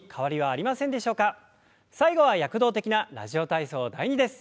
最後は躍動的な「ラジオ体操第２」です。